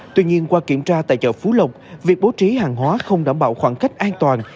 tuy nhiên qua kiểm tra tại chợ phú lộc việc bố trí hàng hóa không đảm bảo khoảng cách an toàn